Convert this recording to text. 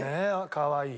かわいい。